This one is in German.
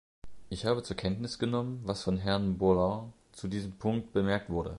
Ich habe zur Kenntnis genommen, was von Herrn Bourlanges zu diesem Punkt bemerkt wurde.